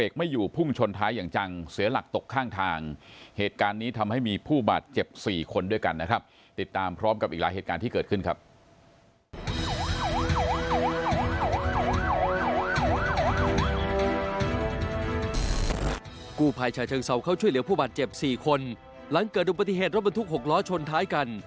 กู้ภัยชาเชิงเซาเข้าช่วยเหลือผู้บาดเจ็บ๔คนหลังเกิดอุบัติเหตุรถบรรทุก๖ล้อชนท้ายกัน